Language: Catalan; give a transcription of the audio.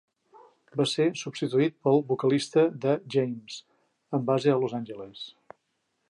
Va ser substituït pel vocalista de James, amb base a Los Angeles.